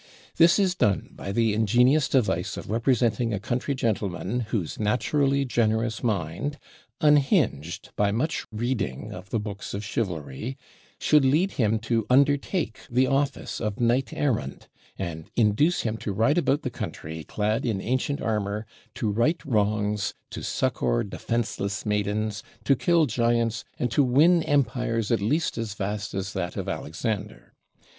This is done by the ingenious device of representing a country gentleman whose naturally generous mind, unhinged by much reading of the books of chivalry, should lead him to undertake the office of knight errant, and induce him to ride about the country clad in ancient armor, to right wrongs, to succor defenseless maidens, to kill giants, and to win empires at least as vast as that of Alexander.